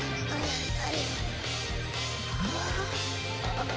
あっ。